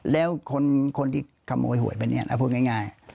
แล้วคนที่ขโมยหวยเป็นอย่างนี้พูดง่าย